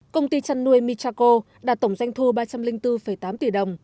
công ty chăn nuôi michaco đạt tổng doanh thu ba trăm linh bốn tám tỷ đồng